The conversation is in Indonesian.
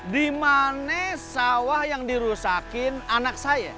dimana sawah yang dirusakin anak saya